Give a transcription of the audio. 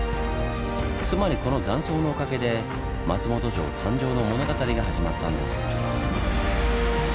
つまりこの断層のおかげで松本城誕生の物語が始まったんです。